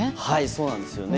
そうなんですよね。